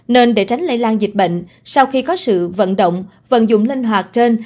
nên để tránh lây lan dịch bệnh sau khi có sự vận động vận dụng linh hoạt trên